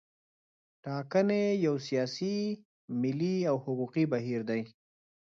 ټاکنې یو سیاسي، ملي او حقوقي بهیر دی.